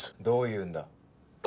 どう言うんだ？